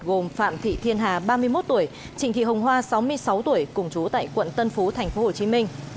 gồm phạm thị thiên hà ba mươi một tuổi trịnh thị hồng hoa sáu mươi sáu tuổi cùng chú tại quận tân phú thành phố hồ chí minh